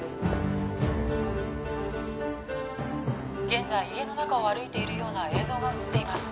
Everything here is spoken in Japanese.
現在家の中を歩いてるような映像が映っています